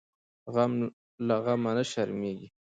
غم له غمه نه شرمیږي .